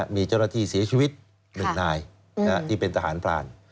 มีเจ้าหน้าที่เสียชีวิต๑นายที่เป็นทหารพราน